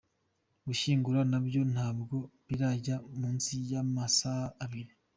Gushyingura nabyo ntabwo birajya munsi y’amasaha abiri.